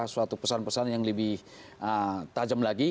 suatu pesan pesan yang lebih tajam lagi